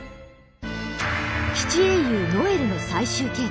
七英雄ノエルの最終形態。